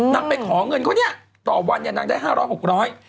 นางไปขอเงินเขาเนี่ยต่อวันเนี่ยนางได้๕๐๐๖๐๐บาท